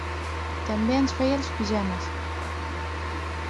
També ens feia els pijames.